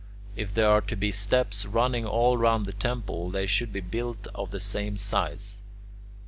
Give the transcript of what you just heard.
If there are to be steps running all round the temple, they should be built of the same size.